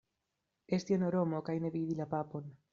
Esti en Romo kaj ne vidi la Papon.